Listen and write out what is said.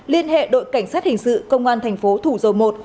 liên hệ đội cảnh sát hình sự công an thành phố thủ dầu một